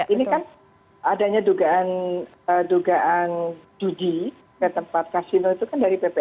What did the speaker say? ini kan adanya dugaan judi ke tempat kasino itu kan dari pp